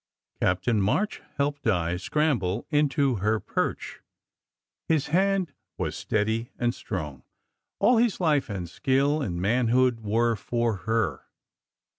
Captain March helped Di scramble into her perch. His hand was steady and strong. All his life and skill and man hood were for her.